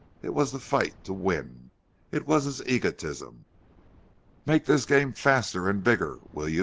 It was the fight to win. It was his egotism. "Make this game faster an' bigger, will you?"